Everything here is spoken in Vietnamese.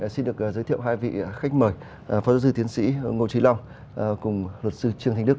xin được giới thiệu hai vị khách mời phó giáo sư tiến sĩ ngô trí long cùng luật sư trương thanh đức